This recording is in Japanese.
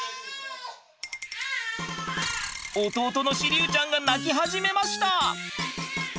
弟の志龍ちゃんが泣き始めました。